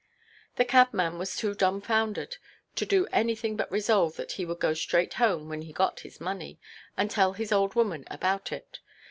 The cabman was too dumb–foundered to do anything but resolve that he would go straight home when he got his money, and tell his old woman about it.